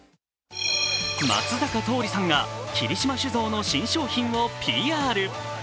松坂桃李さんが霧島酒造の新商品をＰＲ。